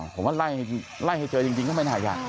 ผมว่าไล่ให้เจอจริงก็ไม่น่ายาก